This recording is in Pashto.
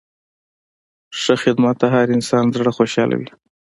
ښه خدمت د هر انسان زړه خوشحالوي.